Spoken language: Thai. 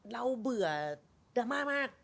เบื่อดราม่ามาก